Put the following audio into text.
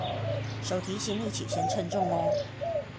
手提行李請先稱重喔